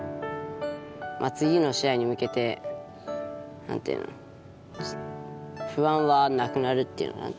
まあ次の試合に向けて何ていうの不安はなくなるっていうの？